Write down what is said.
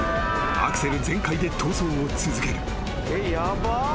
アクセル全開で逃走を続ける］